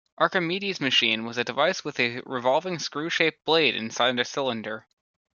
Archimedes' machine was a device with a revolving screw-shaped blade inside a cylinder.